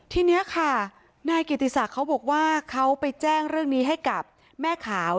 ทีนี้ค่ะนายกิติศักดิ์เขาบอกว่าเขาไปแจ้งเรื่องนี้ให้กับแม่ขาว